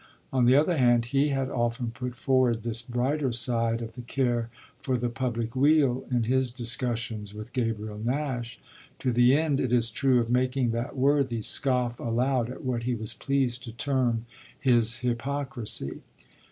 On the other hand, he had often put forward this brighter side of the care for the public weal in his discussions with Gabriel Nash, to the end, it is true, of making that worthy scoff aloud at what he was pleased to term his hypocrisy.